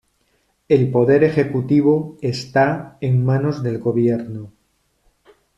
El poder ejecutivo está en manos del gobierno.